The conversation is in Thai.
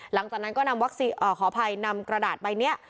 หลังจากนั้นก็ขออภัยนำกระดาษใบเนี้ย